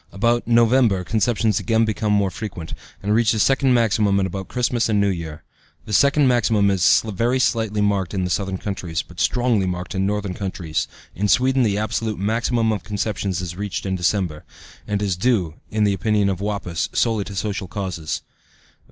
About November conceptions again become more frequent, and reach the second maximum at about Christmas and New Year. This second maximum is very slightly marked in southern countries, but strongly marked in northern countries (in Sweden the absolute maximum of conceptions is reached in December), and is due, in the opinion of Wappäus, solely to social causes.